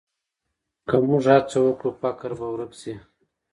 که موږ هڅه وکړو، فقر به ورک شي.